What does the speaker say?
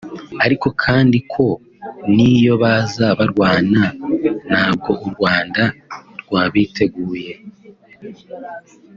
ariko kandi ko n’iyo baza barwana nabwo u Rwanda rwabiteguye